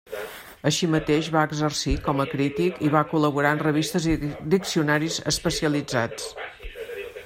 Així mateix va exercir com a crític i va col·laborar en revistes i diccionaris especialitzats.